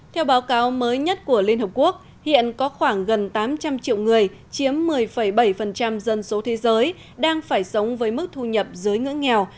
theo báo cáo mới nhất của liên hợp quốc hiện có khoảng gần tám trăm linh triệu người chiếm một mươi bảy dân số thế giới đang phải sống với mức thu nhập dưới ngưỡng nghèo